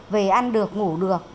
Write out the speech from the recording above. về ăn được ngủ được